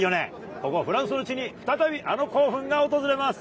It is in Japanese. ここフランスの地に再びあの興奮が訪れます。